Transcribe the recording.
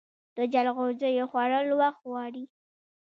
د جلغوزیو خوړل وخت غواړي.